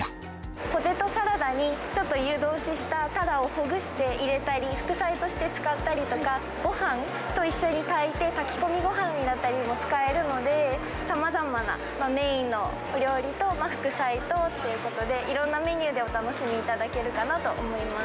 ポテトサラダに、ちょっと湯通ししたタラをほぐして入れたり、副菜として使ったりとか、ごはんと一緒に炊いて、炊き込みごはんにも使えるので、さまざまなメインのお料理と副菜とということで、いろんなメニューでお楽しみいただけるかなと思います。